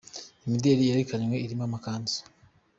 Imideli yerekanywe irimo amakanzu.